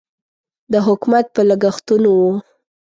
د حکومت په لګښتونو و.